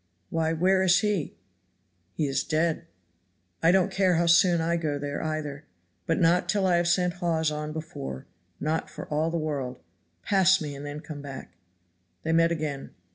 "Why where is he?" "He is dead." "I don't care how soon I go there either, but not till I have sent Hawes on before not for all the world. Pass me, and then come back." They met again.